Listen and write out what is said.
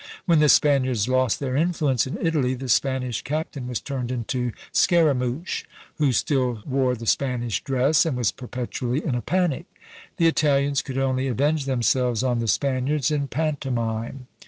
When the Spaniards lost their influence in Italy, the Spanish Captain was turned into Scaramouch, who still wore the Spanish dress, and was perpetually in a panic. The Italians could only avenge themselves on the Spaniards in pantomime!